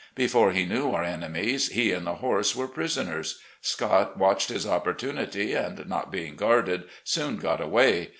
Before he knew our enemies, he and the horse were prisoners. Scott watched his opportunity, and, not being guarded, soon got away.